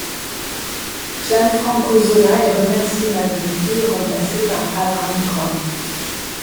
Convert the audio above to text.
Gianfranco Zola est remercié malgré tout et remplacé par Avram Grant.